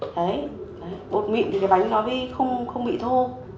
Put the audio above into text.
đấy bột mịn cái bánh nó không bị thô